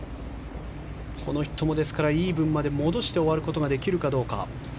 この人も、イーブンまで戻して終わることができるか。